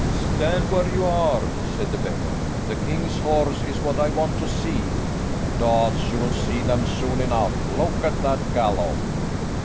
"Stand where you are," said the beggar. "The king's horse is what I want to see." "Dods, you'll see them soon enough. Look at that gallop!"